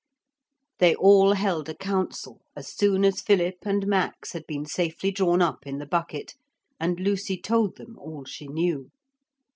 ....... They all held a council as soon as Philip and Max had been safely drawn up in the bucket, and Lucy told them all she knew.